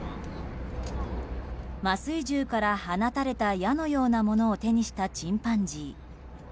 麻酔銃から放たれた矢のようなものを手にしたチンパンジー。